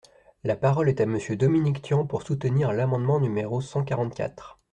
La parole est à Monsieur Dominique Tian, pour soutenir l’amendement numéro cent quarante-quatre.